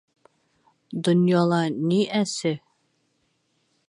- Донъяла ни әсе?